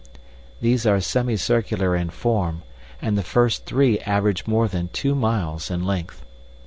These are semicircular in form, and the first three average more than two miles in length.